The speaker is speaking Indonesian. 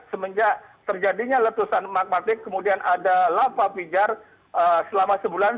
semenjak terjadinya letusan magmatik kemudian ada lapapijar selama sebulan